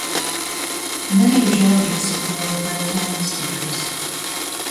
Many Johnnies were Breton-speakers.